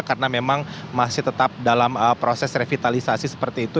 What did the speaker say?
karena memang masih tetap dalam proses revitalisasi seperti itu